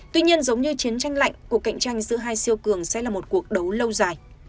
tuy nhiên giống như chiến tranh lạnh cuộc cạnh tranh giữa hai siêu cường sẽ là một cuộc đấu lâu dài